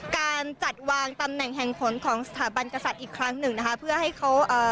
การจัดวางตำแหน่งแห่งผลของสถาบันกษัตริย์อีกครั้งหนึ่งนะคะเพื่อให้เขาเอ่อ